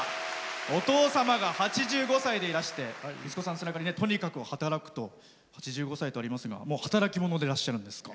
お父様が８５歳でいらして息子さん背中に「とにはくはたらく８５才」とありますが働き者でいらっしゃるんですか？